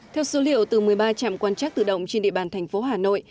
theo số liệu từ một mươi ba trạm quan trắc tự động trên địa bàn thành phố hà nội